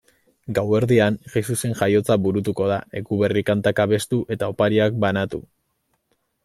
Gauerdian, Jesusen jaiotza burutuko da, Eguberri-kantak abestu eta opariak banatu.